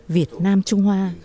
việt nam trung hoa